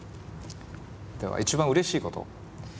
では一番うれしいこと。